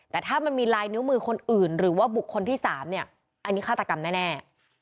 แต่ถ้ามันมีลายนิ้วมือคนอื่นหรือว่าบุคคลที่๓เนี่ยอันนี้ฆาตกรรมแน่